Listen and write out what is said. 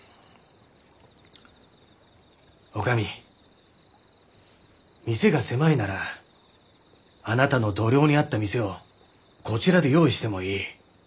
女将店が狭いならあなたの度量に合った店をこちらで用意してもいい。